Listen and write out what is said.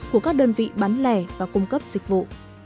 của các đơn vị bán lẻ và cung cấp dịch vụ